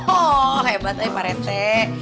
oh hebat ya pak reti